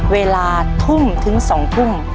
เวลาทุ่มถึง๒ทุ่ม